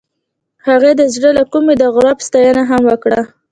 هغې د زړه له کومې د غروب ستاینه هم وکړه.